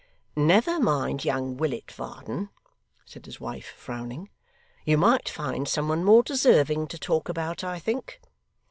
'Never mind young Willet, Varden,' said his wife frowning; 'you might find some one more deserving to talk about, I think.